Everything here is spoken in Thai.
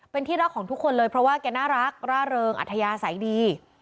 เป็นที่รักของทุกคนเลยเพราะว่าแกน่ารักร่าเริงอัธยาศัยดี